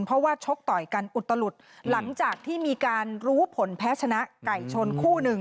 เพราะว่าชกต่อยกันอุตลุดหลังจากที่มีการรู้ผลแพ้ชนะไก่ชนคู่หนึ่ง